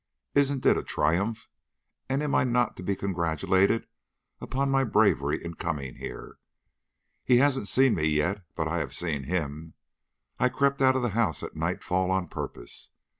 Isn't it a triumph? and am I not to be congratulated upon my bravery in coming here? He hasn't seen me yet, but I have seen him. I crept out of the house at nightfall on purpose.